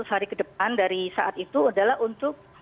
seratus hari ke depan dari saat itu adalah untuk